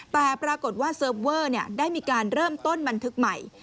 แต่ปรากฏว่าเซิร์ฟเวอร์ได้มีการเริ่มต้นบันทึกใหม่